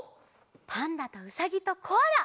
パンダとうさぎとコアラ！